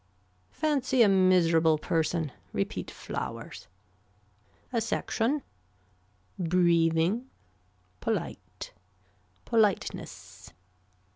Fancy a miserable person. Repeat flowers. A section. Breathing. Polite. Politeness.